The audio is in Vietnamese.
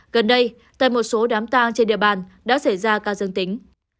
gần đây tại một số đám tang trên địa bàn đã xảy ra ca dương tính